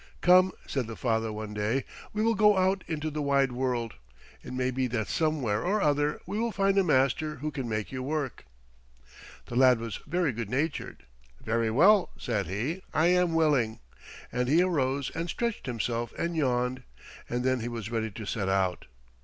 "Come," said the father one day, "we will go out into the wide world. It may be that somewhere or other we will find a master who can make you work." The lad was very good natured. "Very well," said he, "I am willing"; and he arose and stretched himself and yawned, and then he was ready to set out.